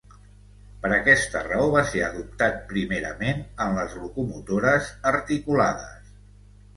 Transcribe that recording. Per aquesta raó va ser adoptat primerament en les locomotores articulades.